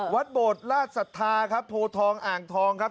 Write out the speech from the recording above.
วัดโบดราชศรัทธาครับโพทองอ่างทองครับ